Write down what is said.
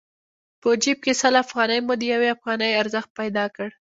په جېب کې سل افغانۍ مو د يوې افغانۍ ارزښت پيدا کړ.